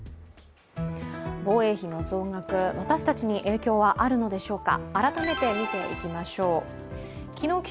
防衛費の増額、私たちに影響はあるのでしょうか。